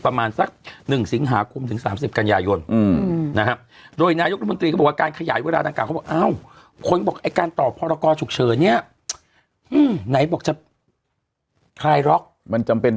วันนี้กลลล๋มกันไปถามนายกที่นายกขยายพระกรฉุกใช้เนี่ยเพื่ออะไรก่อน